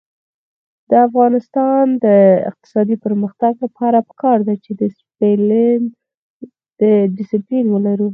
د افغانستان د اقتصادي پرمختګ لپاره پکار ده چې دسپلین ولرو.